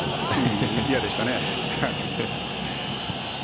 嫌でしたね。